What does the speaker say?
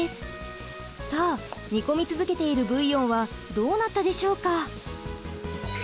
さあ煮込み続けているブイヨンはどうなったでしょうか？